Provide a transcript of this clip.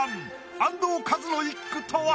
安藤和津の一句とは？